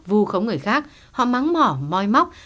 vu khống người khác họ mắng mỏ mòi móc